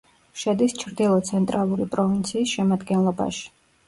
შედის ჩრდილო-ცენტრალური პროვინციის შემადგენლობაში.